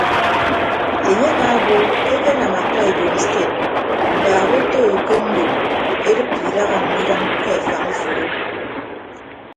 Enye amaabo ke ekenam akwa ibom sted mbaak oto ke ndo edịppe idaha mme idʌñ ke afañ uforo.